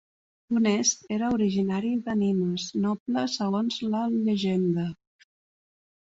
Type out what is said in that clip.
Honest era originari de Nimes, noble segons la llegenda.